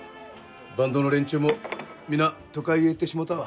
バンドの連中も皆都会へ行ってしもうたわ。